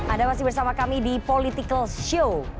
anda masih bersama kami di political show